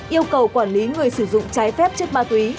yêu cầu quản lý người sử dụng trái phép chất ma túy